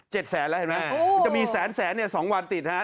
แสนแล้วเห็นไหมมันจะมีแสนแสนเนี่ยสองวันติดฮะ